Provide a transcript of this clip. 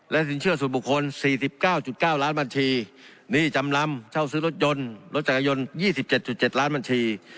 สินเชื่อส่วนบุคคล๔๙๙ล้านบัญชีหนี้จำนำเช่าซื้อรถยนต์รถจักรยานยนต์๒๗๗ล้านบัญชี